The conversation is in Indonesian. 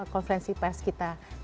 konferensi pers kita